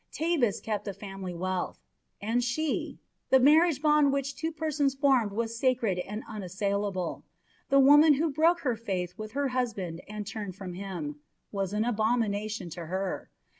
Tabus kept the family wealth. And she the marriage bond which two persons formed was sacred and unassailable the woman who broke her faith with her husband and turned from him was an abomination to her.